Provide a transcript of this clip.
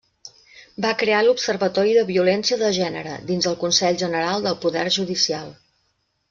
Va crear l'Observatori de Violència de Gènere dins el Consell General del Poder Judicial.